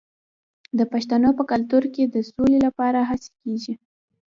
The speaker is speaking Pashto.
د پښتنو په کلتور کې د سولې لپاره هڅې کیږي.